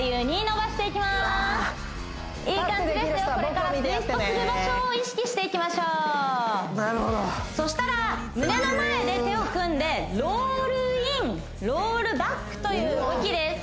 立ってできる人は僕を見てやってねこれからツイストする場所を意識していきましょうそしたら胸の前で手を組んでロールインロールバックという動きです